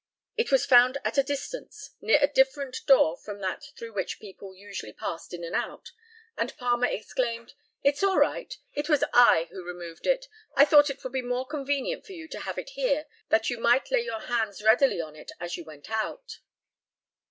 It was found at a distance, near a different door from that through which people usually passed in and out, and Palmer exclaimed, "It's all right. It was I who removed it. I thought it would be more convenient for you to have it here, that you might lay your hands readily on it as you went out."